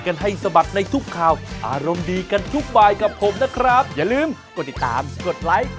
จันทร์๑อาทิตย์ไปได้เลยราคา